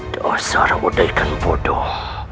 tuan odaikan bodoh